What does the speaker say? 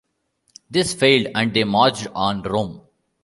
This failed and they marched on Rome.